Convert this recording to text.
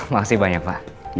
makasih banyak pak